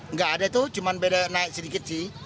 nggak ada tuh cuma beda naik sedikit sih